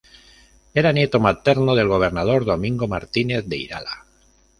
Era nieto materno del gobernador Domingo Martínez de Irala.